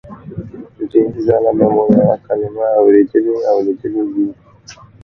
ډېر ځله به مو یوه کلمه اورېدلې او لیدلې وي